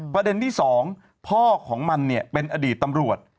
ประเด็นที่๒พ่อของมันเป็นอดีตตำรวจ